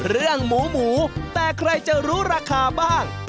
เรื่องหมูหมูแต่ใครจะรู้ราคาบ้าง